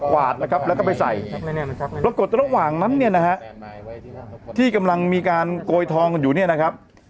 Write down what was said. วาดนะครับแล้วก็ไปใส่ปรากฏระหว่างนั้นเนี่ยนะฮะที่กำลังมีการโกยทองกันอยู่เนี่ยนะครับ